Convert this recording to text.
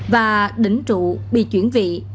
và đỉnh trụ bị chuyển vị